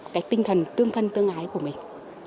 cái tinh thần tương thân tương ái của mình